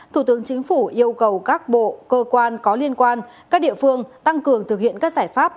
thủ tướng chính phủ yêu cầu các bộ cơ quan có liên quan các địa phương tăng cường thực hiện các giải pháp